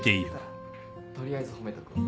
取りあえず褒めとくわ。